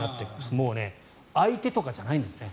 もう相手とかじゃないんですね。